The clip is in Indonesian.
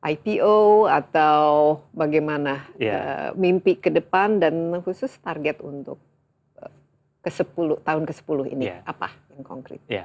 ipo atau bagaimana mimpi kedepan dan khusus target untuk tahun ke sepuluh ini apa yang konkret